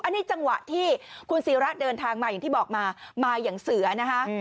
อันนี้จังหวะที่คุณศิระเดินทางมาอย่างที่บอกมามาอย่างเสือนะคะ